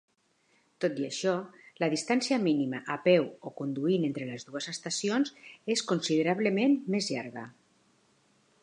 Tot i això, la distància mínima a peu o conduint entre les dues estacions és considerablement més llarga.